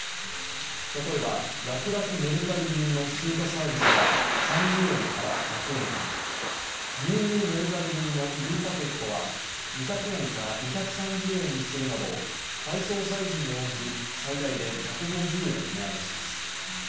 例えば、らくらくメルカリ便の集荷サービスは３０円から１００円にゆうゆうメルカリ便のゆうパケットは２００円から２３０円にするなど配送サイズに応じ最大で１５０円、値上げします。